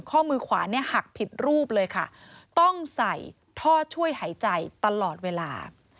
ข้อมือขวาเนี่ยหักผิดรูปเลยค่ะต้องใส่ท่อช่วยหายใจตลอดเวลา